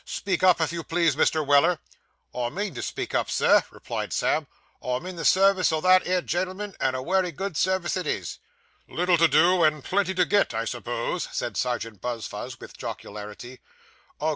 Speak up, if you please, Mr. Weller.' 'I mean to speak up, Sir,' replied Sam; 'I am in the service o' that 'ere gen'l'man, and a wery good service it is.' 'Little to do, and plenty to get, I suppose?' said Serjeant Buzfuz, with jocularity.